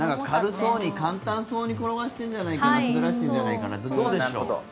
軽そうに簡単そうに滑らせてるんじゃないかなと。